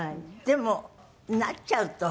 でもなっちゃうと。